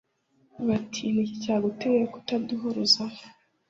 bati ni iki cyaguteye kutaduhuruza